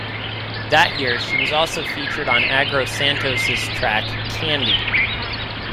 That year, she was also featured on Aggro Santos' track "Candy".